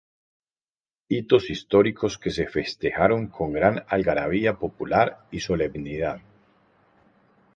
Hitos históricos que se festejaron con gran algarabía popular y solemnidad.